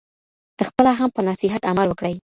خپله هم په نصیحت عمل وکړئ.